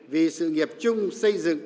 vì sự nghiệp chung xây dựng